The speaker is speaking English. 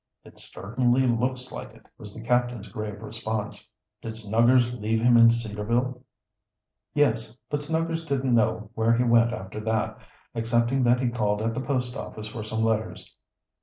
"It certainly looks like it," was the captain's grave response. "Did Snuggers leave him in Cedarville?" "Yes. But Snuggers didn't know where he went after that, excepting that he called at the post office for some letters."